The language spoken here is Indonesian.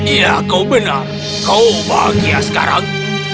ya kau benar kau bahagia sekarang